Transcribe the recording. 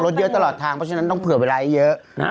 เยอะตลอดทางเพราะฉะนั้นต้องเผื่อเวลาให้เยอะ